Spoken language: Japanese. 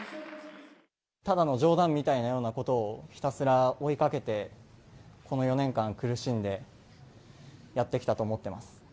ただの冗談みたいなことをひたすら追いかけて、この４年間苦しんでやってきたと思ってます。